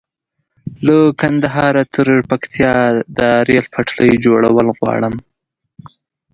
له کندهاره تر پکتيا د ريل پټلۍ جوړول غواړم